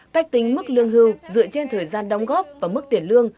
cách tính mức lương hưu dựa trên thời gian đóng góp và mức tiền lương